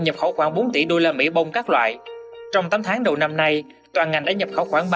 nhập khẩu khoảng bốn tỷ usd bông các loại trong tám tháng đầu năm nay toàn ngành đã nhập khẩu khoảng